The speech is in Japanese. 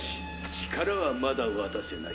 力はまだ渡せない。